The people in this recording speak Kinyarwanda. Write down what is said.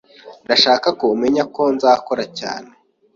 Ndashaka ko umenya ko nzakora cyane